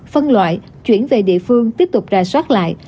phân loại chuyển về địa phương tiếp tục ra soát lại